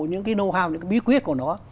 những cái know how những cái bí quyết của nó